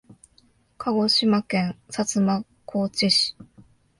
鹿児島県薩摩川内市